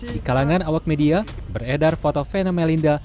di kalangan awak media beredar foto vena melinda